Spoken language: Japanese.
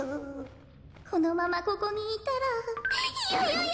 このままここにいたらヨヨヨ。